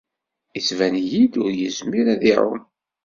Yettban-iyi-d ur yezmir ad iɛum.